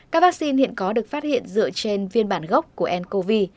các vaccine hiện có được phát hiện dựa trên viên bản gốc của ncov